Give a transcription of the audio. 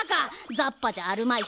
ザッパじゃあるまいし。